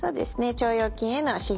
腸腰筋への刺激。